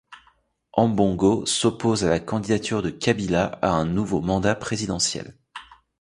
Ambongo s'oppose à la candidature de Kabila à un nouveau mandat présidentiel.